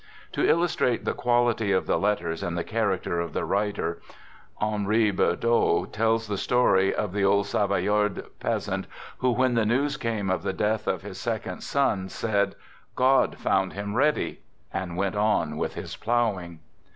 To illustrate the quality of the letters and the character of the writer, Henry Bor deaux tells the story of the old Savoyard peasant who, when the news came of the death of his second 73 74 "THE GOOD SOLDIER " son, said " God found them ready "— and went on with his plowing.